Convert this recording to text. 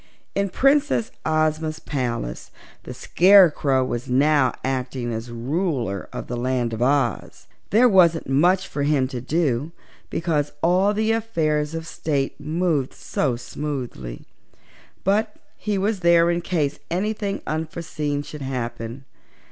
In Princess Ozma's palace the Scarecrow was now acting as Ruler of the Land of Oz. There wasn't much for him to do, because all the affairs of state moved so smoothly, but he was there in case anything unforeseen should happen.